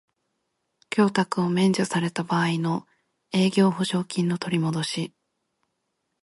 供託を免除された場合の営業保証金の取りもどし